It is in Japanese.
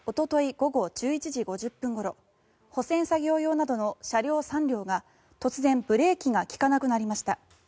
午後１１時５０分ごろ保線作業用などの車両３両が突然、ブレーキが利かなくなりました。